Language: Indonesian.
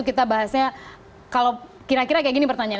kita bahasnya kalau kira kira seperti ini pertanyaan